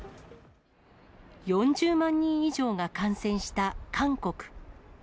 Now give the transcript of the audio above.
４０万人以上が感染した韓国。